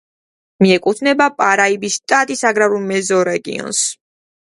მიეკუთვნება პარაიბის შტატის აგრარულ მეზორეგიონს.